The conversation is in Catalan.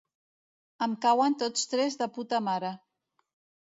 Em cauen tots tres de puta mare.